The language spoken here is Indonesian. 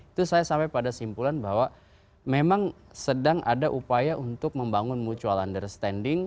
itu saya sampai pada simpulan bahwa memang sedang ada upaya untuk membangun mutual understanding